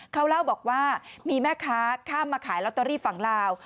เขาเล่าบอกว่ามีแม่ค้าข้ามมาขายลอตเตอรี่ฝั่งลาว